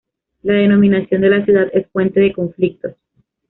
La denominación de la ciudad es fuente de conflictos.